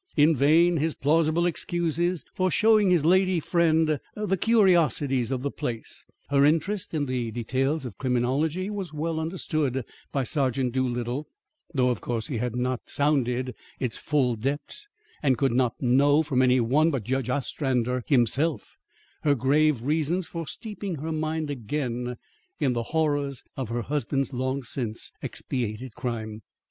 In vain his plausible excuses for showing his lady friend the curiosities of the place; her interest in the details of criminology was well understood by Sergeant Doolittle, though of course he had not sounded its full depths, and could not know from any one but Judge Ostrander himself, her grave reasons for steeping her mind again in the horrors of her husband's long since expiated crime.